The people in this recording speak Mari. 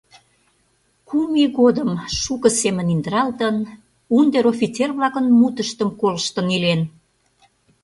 Кум ий годым шуко семын индыралтын, унтер-офицер-влакын мутыштым колыштын илен.